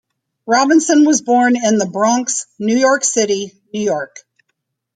Robinson was born in the Bronx, New York City, New York.